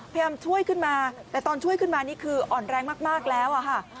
พยายามช่วยขึ้นมาแต่ตอนช่วยขึ้นมานี่คืออ่อนแรงมากแล้วอะค่ะ